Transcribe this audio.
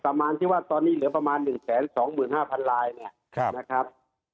ประมาณที่ว่าตอนนี้เหลือประมาณ๑๒๕๐๐ลายเนี่ยนะครับ